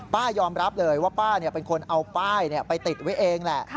ป้ายอมรับเลยว่าป้าเป็นคนเอาป้ายไปติดไว้เองแหละ